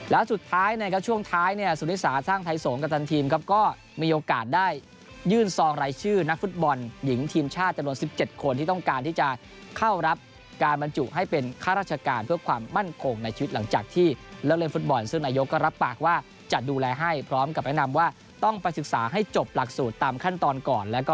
แล้วสุดท้ายในการช่วงท้ายเนี่ยศูนย์ศาสตร์ทางไทยโสงกับทางทีมครับก็มีโอกาสได้ยื่นซองรายชื่อนักฟุตบอลหญิงทีมชาติจะลง๑๗คนที่ต้องการที่จะเข้ารับการบรรจุให้เป็นค่าราชการเพื่อความมั่นคงในชีวิตหลังจากที่เลิกเล่นฟุตบอลซึ่งนายก็รับปากว่าจะดูแลให้พร้อมกับแนะนำว่าต้องไปศึก